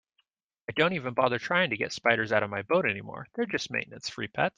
I don't even bother trying to get spiders out of my boat anymore, they're just maintenance-free pets.